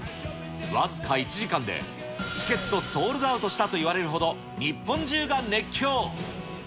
僅か１時間でチケットソールドアウトしたといわれるほど日本中が熱狂。